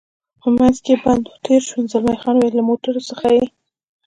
په منځ کې بند و، تېر شو، زلمی خان: له موټرو څخه یې.